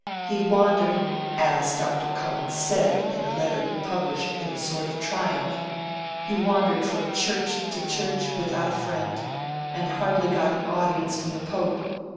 He wandered (as Dr. Cullen said in a letter he published in a sort of triumph), he wandered from Church to Church without a friend, and hardly got an audience from the Pope.